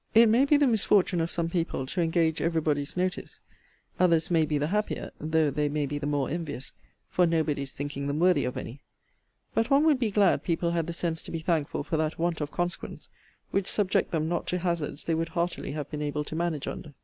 It may be the misfortune of some people to engage every body's notice: others may be the happier, though they may be the more envious, for nobody's thinking them worthy of any. But one would be glad people had the sense to be thankful for that want of consequence, which subject them not to hazards they would heartily have been able to manage under.